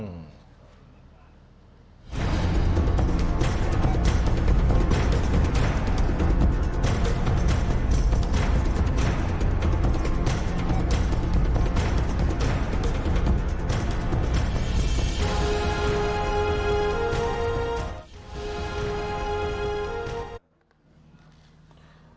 อืม